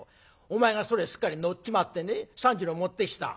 お前がそれすっかり乗っちまってね３０両持ってきた。